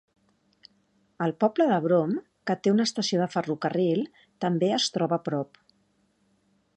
El poble de Broome, que té una estació de ferrocarril, també es troba a prop.